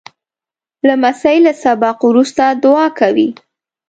لمسی له سبق وروسته دعا کوي.